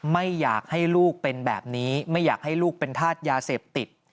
ไม่อยากให้ลูกเป็นแบบนี้ไม่อยากให้ลูกเป็นธาตุยาเสพติด